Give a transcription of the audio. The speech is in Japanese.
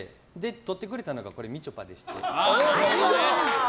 撮ってくれたのがみちょぱでして。